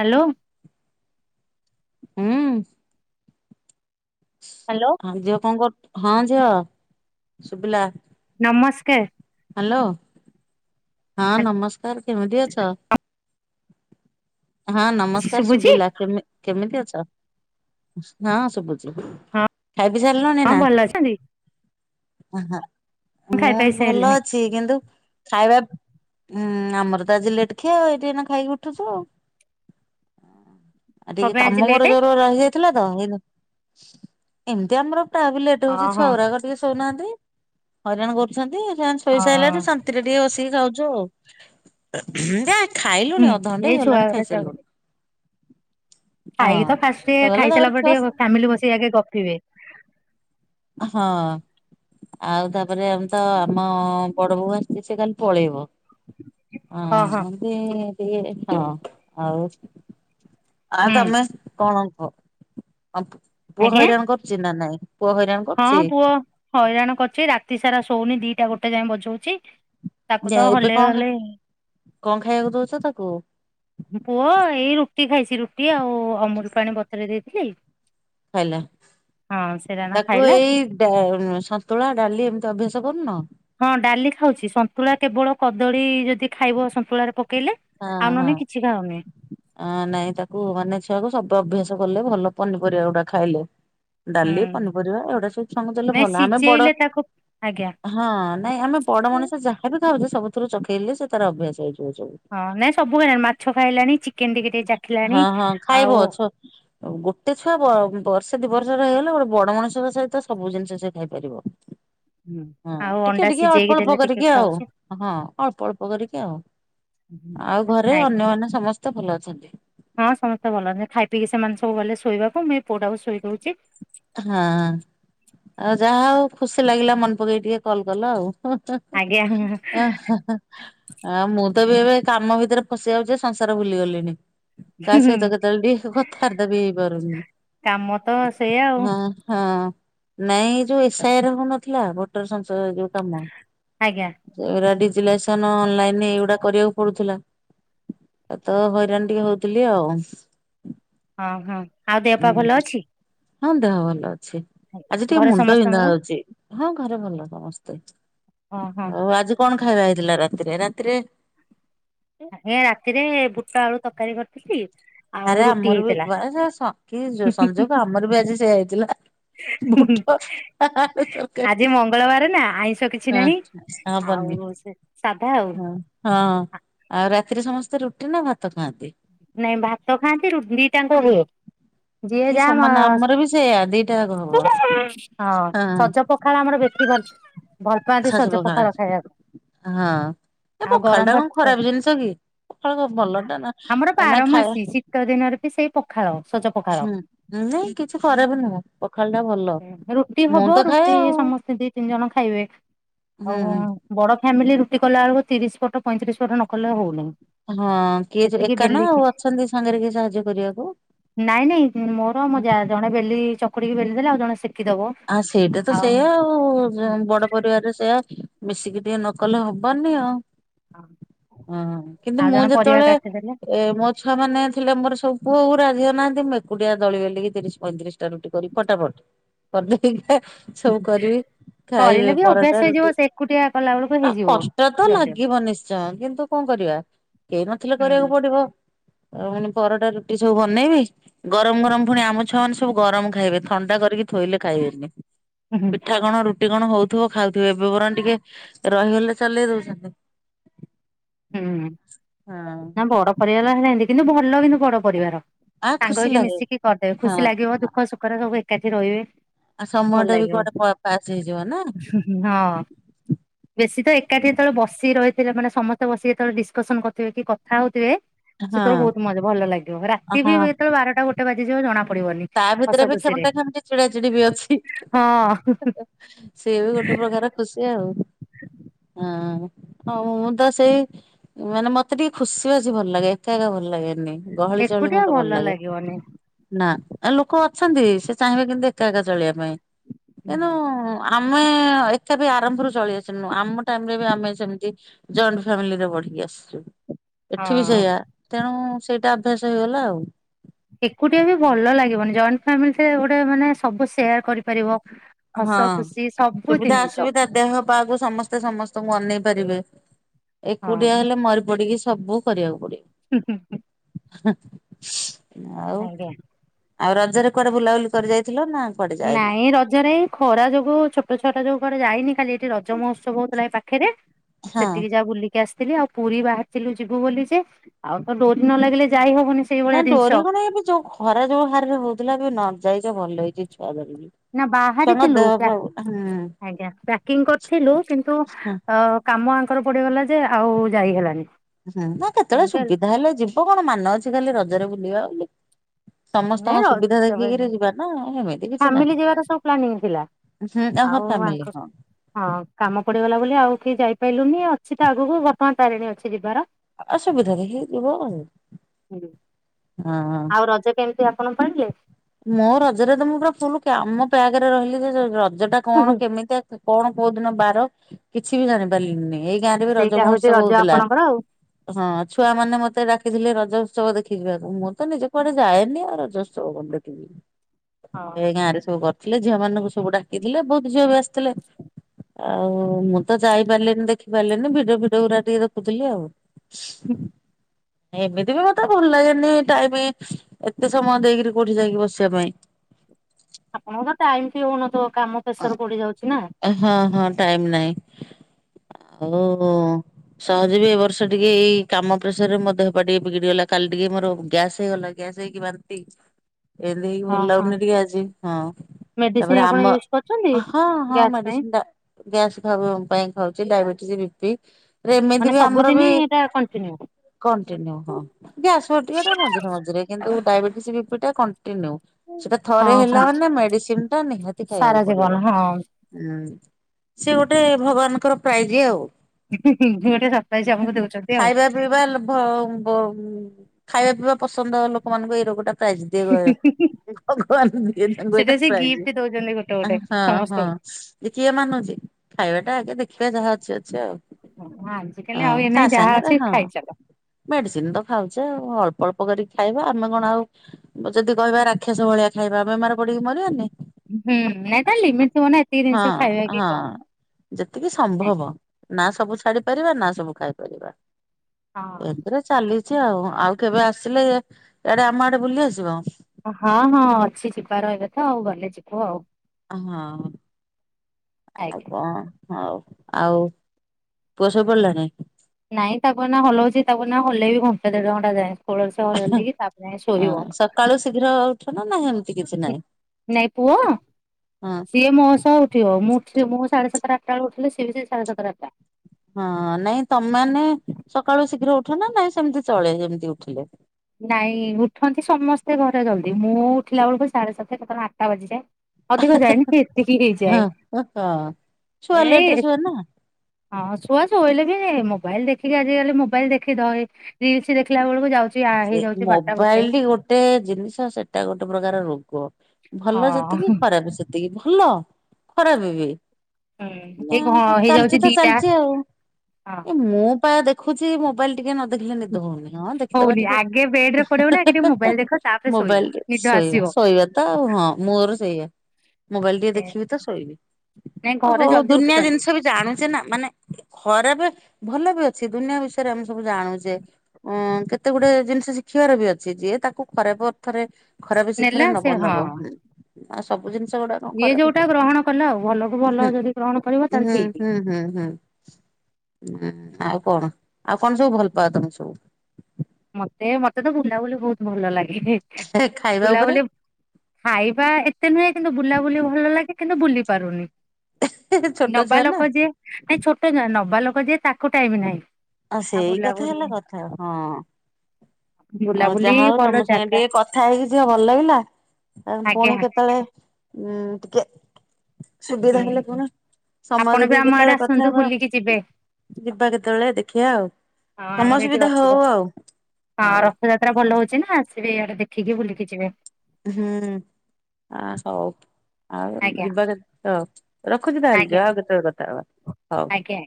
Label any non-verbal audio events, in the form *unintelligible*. Hello. ହୁଁ। ହଁ ଝିଅ କଣ କରୁୁ ହଁ ଝିଅ ଶୁଭିଲା। ନମସ୍କାର। ହ୍ୟାଲୋ। ହଁ ନମସ୍କାର କେମିତି ଅଛ? ହଁ ନମସ୍କାର ଶୁଭୁଛି ଶୁଭିଲା କେ କେମିତି ଅଛ ହଁ ଶୁଭୁଛି। ହଁ ଖାଇ ପି ସାରିଲଣି ହଁ ନା ଭଲ ଅଛନ୍ତି ଅ ହଁ କଣ ଖାଇ ମୁଁ ପାଇ ଭଲ ସାରିଲିଣି ଅଛି କିନ୍ତୁ ଖାଇବା ଆମର ତ ଆଜି ଲେଟ୍ ଖିଆ ଏଇଠି ଏନା ଖାଇକି ଉଠୁଛୁ ଆଉ। ଆଉ କଣ ଟିକେ ପାଇଁ ଆଜି କାମ ମୋର ଲେଟ୍? ଜୋରରେ ରହିଯାଇଥିଲାତ ଏଇନୁ ଏମତି ଆମର ଟାବିଲେ ହଁ ଉଠଉଛି ହଁ ଛୁଆ ଗୁଡାକ ଟିକେ ଶୋଉନାହାନ୍ତି। ହଇରାଣ କରୁଛନ୍ତି। ଏଇନା ଶୋଇସାରିଲା ଠୁ ହଁ ଶାନ୍ତିରେ ଟିକେ ବସିକି ଖାଉଛୁ ଆଉ। ହୁଁ ଖାଇଲୁଣି ଅଧଘଣ୍ଟେ ଏଇ ଛୁଆ ହେଇଗଲାଣି, ଗୁରା ସବୁ ଖାଇସାରିଲୁଣି। ହଁ ଖାଇକି ତ ଫାଷ୍ଟ ସରିଗଲା ତାପରେ ଖାଇସାରିଲା ପରେ ଛୁଆ ଟିକେ ସ ଫାମିଲି ବସିକି ଆଗ ଗପିବେ। ହଁ ଆଉ ତାପରେ ଆମ୍ ତ ଆମ ବଡ ବୋଉ ଆସଛି, ସେ କାଲି ପଳେଇବ ହଁ। କେ ଏମିତି ଇଏ ହଁ, ଆଉ ଆଉ ହୁଁ ତମେ କଣ କୁହ? ପୁଅ ଆଜ୍ଞା ହଇରାଣ କରୁଛି ନା ନାହିଁ। ପୁଅ ହଇରାଣ ହଁ କରୁଛି? ପୁଅ ହଇରାଣ କରିୁଛି ରାତି ସାରା ଶୋଉନି ଦିଟା ଗୋଟେ ଯାଏ ବଜଉଛି। ତାକୁ ତ ଯେ ଏବେ ହଲେଇ କଣ ହଲେଇ କଣ ଖାଇବାକୁ ଦଉଛ ତାକୁ? ପୁଅ ଏଇ ରୁଟି ଖାଇଛି ରୁଟି ଆଉ ଅମୁଲ ପାଣି ବତୁରୁ ଦେଇଥିଲି। ଖାଇଲା ହଁ ସେରାନା ତାକୁ ଖାଇଲା ଏଇ ସନ୍ତୁଳା ଡାଲି ଏମିତି ଅଭ୍ୟାସ କରୁନ? ହଁ ଡାଲି ଖାଉଛି ସନ୍ତୁଳା କେବଳ କଦଳୀ ଯଦି ଖାଇବ ସନ୍ତୁଳାରେ ପକେଇଲେ। ହଁ ଆଉ ହଁ। ନହେଲେ କିଛି ଖାଉନି ଅ ନାଇଁ ତାକୁ ମାନେ ଛୁଆକୁ ସବୁ ଅଭ୍ୟାସ କଲେ ଭଲ ପନିପରିବା ଗୁଡା ଖାଇଲେ। ହୁଁ ଡାଲି ପନିପରିବା ଏଗୁଡା ସବୁ ସାଙ୍ଗୁ ଦେଲେ ନାଇଁ ଭଲ ଆମେ ସିଝେଇଲେ ବଡ। ତାକୁ ଆଜ୍ଞା। ହଁ ନାଇଁ ଆମେ ବଡ ମଣିଷ ଯାହା ବି ଥାଉଛ ସବୁଥିରୁ ଚଖେଇଲେ ସେ ତାର ଅଭ୍ୟାସ ହେଇଯିବ ସବୁ। ହଁ ନାଇଁ ସବୁ କଲାଣି ମାଛ ଖାଇଲାଣି ଚିକେନ ଟିକେ ଟିକେ ଚାଖିଲାଣି ଆଉ। ହଉ। ଗୋଟେ ଛୁଆ ବର୍ଷେ ଦି ବର୍ଷର ହେଇଗଲା ଗୋଟେ ବଡ ମଣିଷ ସହିତ ସବୁ ଜିନିଷ ସେ ଖାଇପାରିବ। ହଁ ଆଉ ଟିକେ ଅଣ୍ଡା ଟିକେ ଅଳ୍ପ ସିଝେଇକି ଅଳ୍ପ ଦେଲେ ଟିକେ କରିକି ଆଉ। ଖାଉଛି ହଁ ଅଳ୍ପ ଅଳ୍ପ କରିକି ଆଉ ଆଉ ଘରେ ଆଜ୍ଞା। ଅନ୍ୟମାନେ ସମସ୍ତେ ଭଲ ଅଛନ୍ତି। ହଁ ସମସ୍ତେ ଭଲ ଖାଇ ପିକି ସେମାନେ ସବୁ ଗଲେ ଶୋଇବାକୁ ମୁଇଁ ପୁଅଟାକୁ ଶୋଇ ଦଉଛି। ହଁ ଆଉ ଯାହା ହଉ ଖୁସି ଲାଗିଲା ମନେ ପକେଇକ ଟିକେ କଲ୍ କଲ ଆଉ। ଆଜ୍ଞା। ଅ ଆ ମୁଁ ତ ବି ଏବେ କାମ ଭିତରେ ଫସି ଯାଉଛି ସଂସାର ଭୁଲି ଗଲିଣି। ତା ସହିତ କେତେବେଳେ ଟିକେ କଥାବାର୍ତ୍ତା ବି ହେଇପାରୁନି। କାମ। ତ ସେଇଆ। ଆଉ। ହଁ ହଁ ନାଇଁ ଯୋଉ ଏସ୍ଆଇ ଆର ହଉନଥିଲା ଭୋଟର ସଂସଦ ଯୋଉ କାମ ଆଜ୍ଞା ସେ ଡିଜିଲେସନ ଅନାଇନ ଏଇଗୁଡା କରିବାକୁ ପଡୁଥିଲା। ଏ ତ ହଇରାଣ ଟିକେ ହଉଥିଲି ଆଉ। ହଁ ହଁ। ଆଉ ଦେହ ପା ହୁଁ ଭଲ ଅଛି ହଁ ଦେହ ଭଲ ଅଛି। ଆଜି ଟିକେ ଘରେ ମୁଣ୍ଡ ବିନ୍ଧା ସମସ୍ତଙ୍କର ହଉଛି ହଁ ଘରେ ଭଲ ସମସ୍ତେ। ହଁ ହଁ। ଆଉ ଆଜି କଣ ଖାଇବା ହେଇଥିଲା ରାତିରେ ରାତିରେ। ଆଜ୍ଞା ରାତିରେ ବୁଟ ଆଳୁ ତରକାରୀ କରିଥିଲି। ଆରେ ଆଉ ରୁଟି ଆମର ବି ହେଇଥିଲା। କି ସଂଯୋଗ ଆମର ବି ଆଜି ସେଆ ହେଇଥିଲା। ବଟ ଆଳୁ ଆଜି ତରକାରୀ। ମଙ୍ଗଳବାର ନା ଆଇଁଷ କିଛି ହଁ ନାହିଁ ହଁ ପନିର ଆଉ ସେ ସାଧା ଆଉ। ହଁ ହଁ ଆଉ ରାତିରେ ସମସ୍ତେ ରୁଟି ନା ଭାତ ଖାଆନ୍ତି? ନାଇଁ ଭାତ ଖାଆନ୍ତି ରୁ ଦିଟାଙ୍କ ହୁଏ। ଯିଏ କି ଯାମ୍ ସମାନ ଆମର ବି ସେଇଆ ଦିଟା ଯାକ ହବ ହଁ ହଁ ସଜ। ପଖାଳ ଆମର ବେଶୀ କରିଛ ଭଲ ପାଆନ୍ତି ସଜ ପଖାଳ ଖାଇବାକୁ। ହଁ ଏ ଆଉ ପଖାଳ ଗରମ ଟା କଣ ଭାତ ଖରାପ ଜିନିଷ କି ପଖାଳ ଭଲ ଟା ନା। ଆମର କାହିଁକିନା ଖାଇବା ବାରମାସୀ ଶୀତ ଦିନରେ ବି ସେଇ ପଖାଳ ସଜ ପଖାଳ। ହୁଁ। ନାଇଁ କିଛି ଖରାପ ବି ନୁହଁ। ପଖାଳ ଟା ଭଲ, ରୁଟି ହବ ମୁଁ ତ ଖାଏ ରୁଟି ଆଉ। ସମସ୍ତେ ଦି ତିନି ଜଣ ଖାଇବେ ଆଉ ହୁଁ। ବଡ ଫ୍ୟାମିଲି ରୁଟି କଲା ବେଳକୁ ତିରିଶ ପଟ ପଇଁତିରିଶ ପଟ ନ କଲେ ହଉନାହିଁ। ହଁ କିଏ ଯେ ଏକା ନା ଆଉ ଅଛନ୍ତି ସାଙ୍ଗରେ କିଏ ସାହାଯ୍ୟ କରିବାକୁ? ନାଇଁ ନାଇଁ ମୋର ମୋ ଜା ଜଣେ ବେଲି ଚକୁଡିକି ବେଲି ଦେଲା ଆଉ ଜଣେ ସେ ଆ ସେଇଟା ତ ସେଇଆ ଆଉ ଯା ବଡ ପରିବାରରେ ସେଇଆ। ମିଶିକି ଟିକେ ନକଲେ ହବନି ଆଉ। କିନ୍ତୁ ଆଉ ମୁଁ ଜଣେ ପରିବା ଯେତେବେଳେ କାଟିଦେଲେ ଏ ମୋ ଛୁଆ ମାନେ ଥିଲେ ମୋର ସବୁ ପୁଅ ଉରା ଝିଅ ନାହାନ୍ତି। ମୁଁ ଏକୁଟିଆ ଦଳି ବେଲିକି ତିରିଶ ପଇଁତିରିଶ ଟା ରୁଟି କରି ଫଟାଫଟ। *unintelligible* କି ହେ ସବୁ କରିବି। ଖାଇବେ କରିଲେ ବି ପରଟା, ଅଭ୍ୟାସ ହେଇଯିବ ରୁଟି ସେ ଏକୁଟିଆ କଲା ବେଳକୁ ନା ହେଇଯିବ କଷ୍ଟ ତ ଜଲଦି ଲାଗିବ ନିଶ୍ଚୟ। କିନ୍ତୁ କଣ କରିବା କେହି ନଥିଲେ କରିବାକୁ ହୁଁ ପଡ଼ିବ। ଆଉ ମୁଁ ଏଇନେ ପରଟା, ରୁଟି ସବୁ ବନେଇବି। ଗରମ ଗରମ ପୁଣି ଆମ ଛୁଆ ମାନେ ସବୁ ଗରମ ଖାଇବେ। ଥଣ୍ଡା କରିକି ଥୋଇଲେ ଖାଇବେନି। ଉଁ, ହୁଁ। ଠା କଣ ରୁଟି କଣ ହଉଥୁବ ଖାଉଥିବେ। ଏବେ ବରଂ ଟିକେ ରହିଗଲେ ଚଲେଇ ଦଉଛନ୍ତି। *inaudible* ହୁଁ, ହଁ ନା ବଡ଼ ପରିବାର ହେଲେ ହେନ୍ତି। କିନ୍ତୁ ଭଲ କିନ୍ତୁ ବଡ଼ ପରିବାର। ଆଉ ସାଙ୍ଗ ଖୁସି ହେଇକି ଲାଗେ ମିଶିକି କରିଦେବେ ହଁ ଖୁସି ଲାଗିବ। ହଁ। ଦୁଃଖ ସୁଖରେ ସବୁ ଏକାଠି ରହିବେ। ଆଉ ଭଲ ସମୟ ଟା ବି ଲାଗିବ କୁଆଡ଼େ ପ-ପାସ୍ ହେଇଯିବ ନା। ହଁ ବେଶୀ ତ ଏକାଠି ଯେତଳେ ବସି ରହିଥିଲେ ମାନେ ସମସ୍ ତ ବସିକ ଯେତେବେଳେ ଡିସ୍କସନ୍ କରୁଥିବେ କି କଥା ହଉଥିବେ। ହଁ। ସେତେବେଳେ ବହୁତ ମଜା ଭଲ ଲାଗିବ। ରାତି ବି ହଁ ଯେତେବେଳେ ବାରଟା ଗୋଟେ ବାଜିଯିବ ଜଣା ପଡିବନି। ତା ହସ ଭିତରେ ବି ଖୁସିରେ ଖେମୁଟା ଖେମଟି ଚିଡା ଚିଡି ବି ଅଛି। ହଁ ସିଏ ବି ଗୋଟେ ପ୍ରକାର ଖୁସି ଆଉ। ହଁ ହଁ ମୁଁ ତ ସେଇ ମାନେ ମୋତେ ଟିକେ ଖୁସି ବାସୀ ଭଲ ଲାଗେ। ଏକା ଏକା ଭଲ ଲାଗେନି। ଗହଳି ଚହଳି ଏକୁଟିଆ ମୋତେ ଭଲ ଲାଗେ। ଲାଗିବନି ନା ଏ ଲୋକ ଅଛନ୍ତି ସେ ଚାହିଁବେ କିନ୍ତୁ ଏକା ଏକା ଚଳିବା ପାଇଁ। କିନ୍ତୁ ଆମେ ଏକା ବି ଆରମ୍ଭରୁ ଚଳି ଆସିନୁ ଆମ ଟାଇମ୍ ରେ ବି ଆମେ ସେମତି ଜଏଣ୍ଟ ଫ୍ୟାମିଲିରେ ବଢ଼ିକି ଆସିଛୁ। ଏଠି ବି ହଁ। ସେଇୟା ତେଣୁ ସେଇଟା ଅଭ୍ୟାସ ହେଇଗଲା ଆଉ। ଏକୁଟିଆ ବି ଭଲ ଲାଗିବନି। ଜଏ ଫାମିଲି ସେ ଗୋଟେ ମାନେ ସବୁ ସେୟାର୍ କରିପାରିବ। ହସ ହଁ। ଖୁସି ସବୁ ସୁବିଧା ଜିନିଷ। ଅସୁବିଧା ଦେହ ପାଆକୁ ସମସ୍ତେ ସମସ୍ତଙ୍କୁ ଅନେଇ ପାରିବେ। ହଁ ଏକୁଟିଆ ହେଲେ ମରି ପାଡ଼ିକି ସବୁ କରିବାକୁ ପଡ଼ିବ। ହୁଁ, ହୁଁ, ହୁଁ। ହୁଁ ଆଜ୍ଞା। ଆଉ ରଜରେ କୁଆଡ଼େ ବୁଲାବୁଲି କରି ଯାଇଥିଲ ନା କୁଆଡ଼େ ଯାଇନ? ଏଇ ରଜରେ ଖରା ଯୋଗୁ ଛୋଟ ଛୁଆ ଟା ଯୋଉ କୁଆଡ଼େ ଯାଇନି। ଖାଲି ଏଇଠି ରଜ ମହୋତ୍ସବ ହଉଥୁଲା ଏ ପାଖରେ। ହଁ। ସେତିକି ଯା ବୁଲି କି ଆସିଥିଲି। ଆଉ ପୁରୀ ବାହାରିଥିଲୁ ଯିବୁ ବୋଲି ଯେ ଆଉ ତ ଡୋରୀ ନ ଲାଗିଲେ ଯାଇ ହବନି। ନା ସେଇଭଳିଆ ଜିନିଷ ଡୋରି କଣ ଏବେ ଯୋଉ ଖରା ଯୋଉ ହାର ରେ ହଉଥୁଲା ବି ନ ଯାଇଚ ଭଲ ହେଇଚି ଛୁଆ ଧରିକି। ନା ଛୁଆଙ୍କ ବାହାରିଥିଲୁ ଦେହ ପ୍ୟା ପା ହୁଁ ହୁଁ ଆଜ୍ଞା ପ୍ୟାକିଂ କରିଥିଲୁ। କିନ୍ତୁ ଅ, କାମ ଆଙ୍କର ପଡ଼ିଗଲା ଯେ ଆଉ ଯାଇ ହେଲାନି। ହଁ ନା କେତେଳେ ଏମିତି ହେଲା ସୁବିଧା ହେଲେ ଯିବ କଣ ମାନ ଅଛି ଖାଲି ରଜରେ ବୁଲିବା ବୋଲି। ସମସ୍ତଙ୍କ ସୁବିଧା ଦେଖିକିରି ଯିବା ନା ଏ ହେମି ଫାମିଲି ଯିବାର ସବୁ ପ୍ଲାନିଂ ଥିଲା, ହୁଁ ଆମ ଆଉ ଫ୍ୟାମିଲି ହଁ ଆଙ୍କର ହଁ କାମ ପଡ଼ିଗଲା ବୋଲି ଆଉ କିଏ ଯାଇପାଇଲୁନି। ଅଛି ତ ଆଗକୁ ଘଟଗାଁ ତାରିଣୀ ଅଛି ଯିବାର। ଆ, ସୁବିଧା ଦେଖିକି ଯିବ ଆଉ ହଁ, ହଁ। ଆଉ ରଜ କେମିତି ଆପଣ ପାଳିଲେ? ମୋ ରଜରେ ତ ମୁଁ ପୁରା ଫୁଲ କାମ ପ୍ୟାଗରେ ରହିଲି ଯେ ରଜ ଟା କଣ କେମିତି କଣ କୋଉ ଦିନ ବାର କିଛି ବି ଜାଣିପାରିଲିନି ଏଇ ଗାଁ ରେ ବି ସେଇଟା ରଜ ହଉଛି ମହୋତ୍ସବ ରଜ ହଉଥିଲା। ଆପଣଙ୍କର ଆଉ ହଁ ଛୁଆମାନେ ମତେ ଡ଼ାକିଥିଲେ ରଜ ଉତ୍ସବ ଦେଖିଯିବାକୁ ମୁଁ ତ ନିଜ କୁଆଡ଼େ ଯାଏନି ଆଉ ରଜ ଉତ୍ସବ କ ଦେଖି ଏ ହଁ ଗାଁ ରେ ସବୁ କରିଥିଲେ ଝିଅ ମାନଙ୍କୁ ସବୁ ଡ଼ାକିଥିଲେ ବହୁତ ଝିଅ ବି ଆସିଥିଲେ। ଆଉ ମୁଁ ତ ଯାଇପାରିଲିନି ଦେଖି ପାରିଲିନି ଭିଡ଼ିଓ ଫିଡ଼ିଓ ଗୁୁରା ଟିକେ ଦେଖୁଥିଲି ଆଉ। ହୁଁ। ଏମିତି ବି ମତେ ଭଲ ଲାଗେନି ଟାଇମ ଏତେ ସମୟ ଦେଇକିରି କୋଉଠି ଯାଇକି ବସିବା ପାଇଁ। ଆପଣଙ୍କୁ ତ ଟାଇମ ବି ହଉନଥିବ କାମ ପେସର ପଡ଼ି ଯାଉଛି ନା। ହଁ ହଁ ଟାଇମ୍ ନାହିଁ। ଆଉ ସହଜ ବି ଏ ବର୍ଷ ଟିକେ ଏଇ କାମ ପ୍ରେସରରେ ମୋ ଦେହ ପା ଟିକେ ବିଗିଡି ଗଲା କାଲି ଟିକେ ମୋର ଗ୍ୟାସ ହେଇଗଲା। ଗ୍ୟାସ ହେଇକି ବାନ୍ତି, ଏମିତି ହେଇକି ହଁ ଭଲ ହଁ ଲାଗୁନି ଟିକେ ଆଜି ହଁ। ମେଡିସିନ ତାପରେ ଆପଣ ଆମ ୟୁଜ କରୁଛନ୍ତି ହଁ ହଁ ଗ୍ୟାସ୍ ପାଇଁ? ମେଡିସିନ୍ ଟା ଗ୍ୟାସ୍ *unintelligible* ପାଇଁ ଖାଉଚି ଡାଇବେଟିସ ବି ପି ଏମିତି ମାନେ ବି ଆମର ସବୁଦିନ ବି ଏଇଟା କଣ୍ଟିନ୍ୟୁ କଣ୍ଟିନ୍ୟୁ ହଁ ଗ୍ୟାସ ବଟିକାଟା ମଝିରେ ମଝିରେ କିନ୍ତୁ ଡଇବେଟିିସ ବିପିଟା କଣ୍ଟିନ୍ୟୁ। ସେଟା ହଁ ଥରେ ହଁ। ହେଲା ମାନେ ମେଡିସିନ ଟା ନିହାତି ଖାଇବାକୁ ସାରା ଜୀବନ ପଡିବ। ହଁ ହୁଁ ସିଏ ଗୋଟେ ଭଗବାନଙ୍କର ପ୍ରାଇଜି ଆଉ। ହିଁ ହିଁ ହିଁ ଇଏ ଗୋଟେ ସପ୍ରାଇଜ ଆମକୁ ଦଉଛନ୍ତି ଆଉ। ପଇବା ଭ ବ ଖାଇବା ପିଇବା ପସନ୍ଦ ଲୋକମାନଙ୍କୁ ଏଇ ରୋଗଟା ପ୍ରାଇସ ଦେବେ ଭଗବାନଙ୍କ ଏଇ ସେଟା ଜିନିଷଟା ସେ ପ୍ରାଇଛି। ଗିଫ୍ଟ ଦଉଛନ୍ତି ଗୋଟେ ଗୋଟେ ହଁ ହଁ ସମସ୍ତଙ୍କୁ ଯେ କିଏ ମାନୁଛି ଖାଇବାଟା ଆଗେ ଦେଖ ଦେଖିଆ ଯାହା ଅଛି ଅଛି ଆଉ ହଁ ଅ ଆଜିକାଲି ଆଉ ଏଇନା ତା ଯାହା ସାଙ୍ଗରେ ଅଛି ହଁ। ଖାଇଚାଲ। ମେଡ଼ିସିନ ତ ଖାଉଛେ ଆଉ ଅଳ୍ପ ଅଳ୍ପ କରିକି ଖାଇବା ଆମେ କଣ ଆଉ ଯଦି କହିବା ରାକ୍ଷସ ଭଳିଆ ଖାଇବା ବେମାର ପଡ଼ିକି ମରିବାନି? ହୁଁ ନାଇଁ ତା ଲିମିଟ ଥିବ ନା ଏତିକି ହଁ ଜିନିଷ ଖାଇବା ହଁ। କି କଣ? ଯେତିକି ନାଇଁ ସମ୍ଭବ ନା ସବୁ ଛାଡି ପାରିବା ନା ସବୁ ଖାଇପାରିବା। ହଁ। ଏମିତିରେ ଚାଲିଛି ଆଉ ଆଉ କେବେ ଆସିଲେ ଏ ଆଡେ ଆମ ଆଡେ ବୁଲି ଆସିବ? ହଁ ହଁ ଅଛି ଯିବାର ଏବେତ ଆଉ ଗଲେ ଯିବା ଆଉ। ହଁ ଆଉ ଆଜ୍ଞା। ଙ୍କ। ହଉ ଆଉ ପୁଅ ସୋଇପଇଲାଣି? ନାଇଁ ତାକୁ ଏଇନା ହଉଛି ତାକୁ ଏଇନା ହଲେ ବି ଘଣ୍ଟା ଦେଢ ଘଣ୍ଟା ଯାଏ। *unintelligible* ତାପରେ ଯାଇକି ଶୋଇିବ। ହଁ ସକାଳୁ ଶୀଘ୍ର ଉଠ ନା ନା ସେମିତି କିଛି ହୁଁ ନାହିଁ? ନାଇଁ ପୁଅ? ହଁ ସିଏ ମୋ ସହ ଉଠିବ ମୁଁ ଉଠି ମୁଁ ସାଢେ ସାତ ଆଠା ବେଳେ ଉଠିଲେ ସେ ବି ସେ ସାଢେ ସାତଟା ଆଠଟା। ହଁ ନାଇଁ ତମମାନେ ସକାଳୁ ଶୀଘ୍ର ଉଠ ନା ନାଇଁ ସେମିତି ଚଳେ ଯେମିତି ଉଠିଲେ? ନାଇଁ ଉଠନ୍ତି ସମସ୍ତେ ଘରେ ଜଲ୍ଦି ମୁଁ ଉଠିଲା ବେଳକୁ ସାଢେ ସାତଟା କେତେବେଳେ ଆଠଟା ବାଜିଯାଏ। ଅଧିକ ଯାଏନି ସେ ଏତିକି ହେଇଯାଏ। ହଁ ହଁ ଛୁଆ ଲେଟରେ ଏଇ ଶୁଏ ନା। ହଁ ଛୁଆ ଶୋଇଲେ ବି ମୋବାଇଲ ଦେଖିକି ଆଜିକାଲି ମୋବାଇଲ ଦେଖି ଦହି। ରିଲସ ଦେଖିଲା ବେଳକୁ ଯାଉଛି। ଆ ଆଛା ଏ ହେଇଯାଉଛି ବାରଟା ମୋବାଇଲ ଗୋଟେ ଗୋଟେ ଜିନିଷ ସେଟା ଗୋଟେ ପ୍ରକାର ରୋଗ ଭଲ ହଁ ଯେତିକି ହୁଁ ଖରାପ ସେତିକି ତିକି ଭଲ ଖରାପ ବି ଏଇ ଘ ମାନେ ହେଇଯାଉଛି ଚାଲିଚ ତ ଦିଟା ଚାଲିଚ ଆଉ ହଁ। ଏ ମୁଁ ମୁଁ ପା ଦେଖୁଛି ମୋବାଇଲ ଟିକେ ନ ଦେଖିଲେ ନିଦ ହଉନି ହଁ ଦେଖି ତ ବା ହଉନି ଟିକେ ଆଗେ ବେଡ ରେ ପଡିବ ନା ଆଗେ ଟିକେ ମୋବାଇଲ ଦେଖ ତାପରେ ଶୋଇବ ମୋବାଇଲ ଟେ ନିଦ ଶୋଇବା ଆସିବ। ଶୋଇବା ତ ଆଉ ହଁ ମୋର ସେଇଆ ମୋବାଇଲ ଟିକେ ଦେଖିବି ତ ଶୋଇବି ନାଇଁ ଓ ଘରେ ହଉ ଜଲ୍ଦି ଦୁନିଆ ଉଠୁଛନ୍ତି ଜିନିଷ ବି ଜାଣୁଛେ ନା ମାନେ ଖରାପ ଭଲ ବି ଅଛି ଦୁନିଆ ବିଷୟରେ ଆମେ ସବୁ ଜାଣୁଛେ ହଁ କେ କେତେଗୁଡେ ଜିନିଷ ଶିଖିବାର ବି ଅଛି। ଯିଏ ତାକୁ ଖରାପ ଅର୍ଥରେ ଖରାପ ଶିକ୍ଷାରେ ନେଲା ସେ ନବ ନବ। ହଁ ଆଉ ସବୁ ଜିନିଷ ଗୁଡା କଣ ଯିଏ ଖରାପେ। ଯୋଉଟା ଗ୍ରହଣ କଲା ଆଉ ଭଲକୁ ଭଲ ହୁଁ ଯଦି ଗ୍ରହଣ କରିବ ତାହେଲେ ହୁଁ ଠିକ। ହୁଁ ହୁଁ ହୁଁ। ହୁଁ ଆଉ କଣ? ଆଉ କଣ ସବୁ ଭଲ ପାଆ ତମେ ସବୁ? ମତେ ମତେ ତ ବୁଲାବୁଲି ବହୁତ ଭଲ ଲାଗେ। ଖାଇବା ଉପରେ ବୁଲାବୁଲି ଖାଇବା ଏତେ ନୁହେଁ। କିନ୍ତୁ ବୁଲାବୁଲି ଭଲ ଲାଗେ। କିନ୍ତୁ ବୁଲି ପାରୁନି। ଛୋଟ ନବା ଛୁଆ ନା ଲୋକ ଯିଏ ନାଇ ଛୋଟ ଯ ନବା ଲୋକ ଯିଏ ତାକୁ ଟାଇମି ନାହିଁ। ଆଉ ସେଇ କଥା ହେଲା କଥା ହଁ। ଆଉ ବୁଲାବୁଲି ଯାହା ହଉ ଭଲ ତମ ସାଙ୍ଗେ ଜାଗା ଟିକେ କଥା ହେଇକି ଝିଅ ଭଲ ଲାଗିଲା। ଆଜ୍ଞା ପୁଣି କେତେବେଳେ ଉଁ ଟିକେ ସୁବିଧା ହେଲେ ହୁଁ। ପୁଣି ସମୟ ଆପଣ ବି ଦେଖିକି ଆମ ଆଡେ କେତେବେଳେ କଥା ଆସନ୍ତୁ ହବା। ବୁଲିକି ଯିବେ ଯିବା କେତେବେଳେ ଦେଖ ହଁ ଆମର ଏଇଠି ରଥ ଟଣା ଆଉ ହଁ ହଉ ର ରଥଯାତ୍ରା ଭଲ ହଉଛି ନା ଆସିଲେ ଆଡେ ଦେଖିକି ବୁଲିକି ଯିବେ। ହୁଁ ଆ ହଉ। ଆ ଆଜ୍ଞା ଯିବା କେତୋ ରଖୁଛି ତାହେଲେ ଆଜ୍ଞା ଯା ଆଉ କେତେବେଳେ କଥା ହବା ହଉ। ଆଜ୍ଞା।